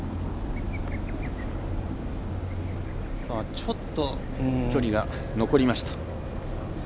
ちょっと距離が残りました。